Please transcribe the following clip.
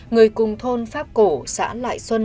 người cùng thôn pháp cổ xã lại xuân